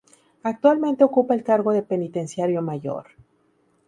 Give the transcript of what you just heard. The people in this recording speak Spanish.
Actualmente ocupa el cargo de Penitenciario Mayor.